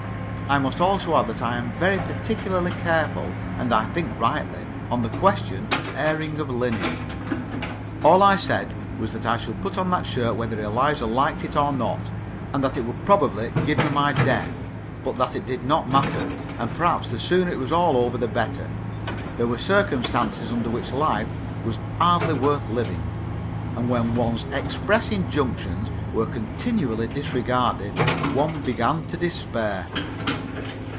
I must also add that I am very particularly careful and, I think, rightly on the question of the airing of linen. All I said was that I should put on that shirt, whether Eliza liked it or not, and that it would probably give me my death; but that it did not matter, and perhaps the sooner it was all over the better. There were circumstances under which life was hardly worth living, and when one's express injunctions were continually disregarded, one began to despair.